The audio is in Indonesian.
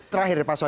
terakhir pak suwani